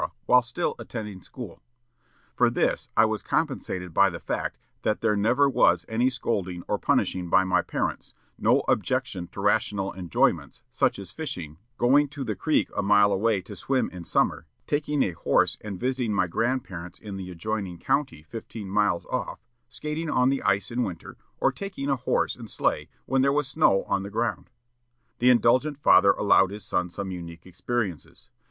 while still attending school. For this I was compensated by the fact that there never was any scolding or punishing by my parents; no objection to rational enjoyments, such as fishing, going to the creek a mile away to swim in summer, taking a horse and visiting my grandparents in the adjoining county, fifteen miles off, skating on the ice in winter, or taking a horse and sleigh when there was snow on the ground." The indulgent father allowed his son some unique experiences.